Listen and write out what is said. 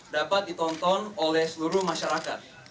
dapat ditonton oleh seluruh masyarakat